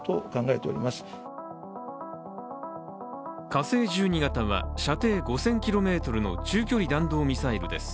火星１２型は射程５０００ｋｍの中距離弾道ミサイルです。